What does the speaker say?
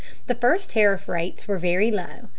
The first tariff rates were very low.